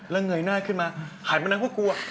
แล้วเหนื่อยหน้าขึ้นมาหายมานั่งพวกกูอ่ะ